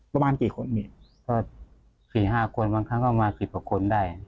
ประมาณกี่คนมีก็๔๕คนบางครั้งก็มา๑๐กว่าคนได้